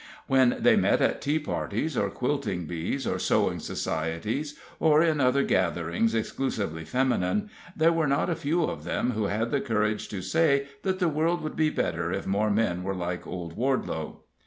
When they met at tea parties, or quilting bees, or sewing societies, or in other gatherings exclusively feminine, there were not a few of them who had the courage to say that the world would be better if more men were like old Wardelow.